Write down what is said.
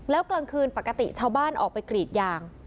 แล้วกลางคืนปกติชาวบ้านออกไปกรีดยาง